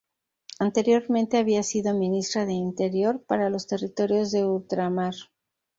Anteriormente había sido ministra de Interior para los Territorios de Ultramar.